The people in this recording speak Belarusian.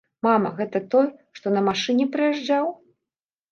Мама, гэта той, што на машыне прыязджаў?